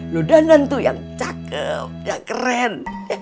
lo dandan tuh yang cakep yang keren